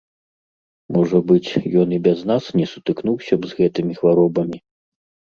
Можа быць, ён і без нас не сутыкнуўся б з гэтымі хваробамі.